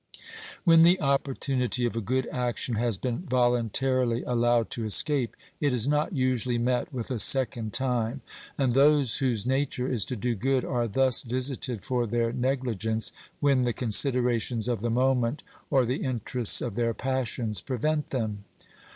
When the opportunity of a good action has been volun 374 OBERMANN tarily allowed to escape, it is not usually met with a second time, and those whose nature is to do good are thus visited for their negligence when the considerations of the moment or the interests of their passions prevent them.